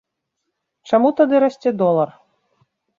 Чаму тады расце долар?